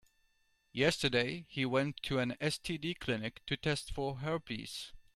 Yesterday, he went to an STD clinic to test for herpes.